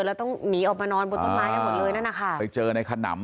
แล้วต้องหนีออกมานอนบนตำรากันหมดเลยนั่นน่ะค่ะ